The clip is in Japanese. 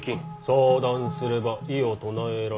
相談すれば異を唱えられる。